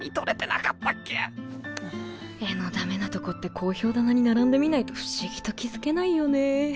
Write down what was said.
絵のダメなとこって講評棚に並んで見ないと不思議と気付けないよね。